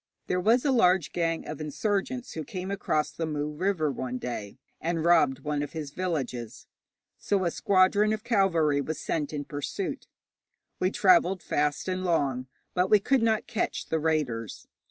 There was a large gang of insurgents who came across the Mu River one day, and robbed one of his villages, so a squadron of cavalry was sent in pursuit. We travelled fast and long, but we could not catch the raiders.